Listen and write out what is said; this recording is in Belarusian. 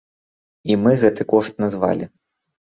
І мы гэты кошт назвалі.